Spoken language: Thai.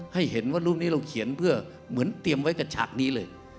ให้เห็นว่ารูปนี้เราเขียนเพื่อเหมือนเตรียมไว้กับฉากนี้เลย